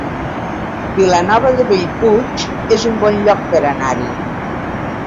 Vilanova de Bellpuig es un bon lloc per anar-hi